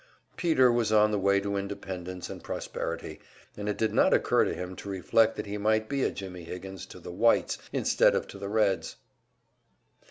Peter was on the way to independence and prosperity, and it did not occur to him to reflect that he might be a "Jimmie Higgins" to the "Whites" instead of to the Reds!